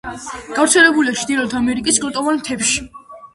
გავრცელებულია ჩრდილოეთ ამერიკის კლდოვან მთებში.